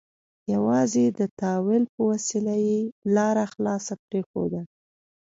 یوازې د تأویل په وسیله یې لاره خلاصه پرېښوده.